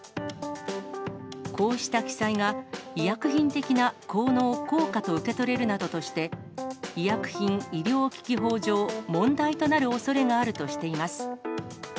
こうした記載が、医薬品的な効能効果と受け取れるなどとして、医薬品医療機器法上、問題となるおそれがあるとしています。